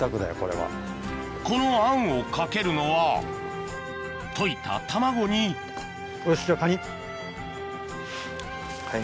このあんをかけるのは溶いた卵によしじゃあ。